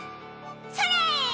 それ！